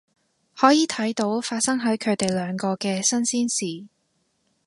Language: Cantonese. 可以睇到發生喺佢哋兩個嘅新鮮事